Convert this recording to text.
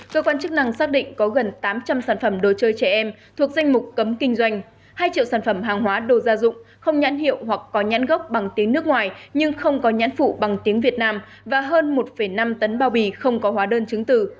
cơ quan chức năng xác định có gần tám trăm linh sản phẩm đồ chơi trẻ em thuộc danh mục cấm kinh doanh hai triệu sản phẩm hàng hóa đồ gia dụng không nhãn hiệu hoặc có nhãn gốc bằng tiếng nước ngoài nhưng không có nhãn phụ bằng tiếng việt nam và hơn một năm tấn bao bì không có hóa đơn chứng từ